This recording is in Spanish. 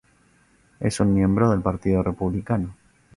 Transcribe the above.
Es un miembro del Partido Republicano.